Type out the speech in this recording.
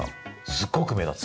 すごく目立つ！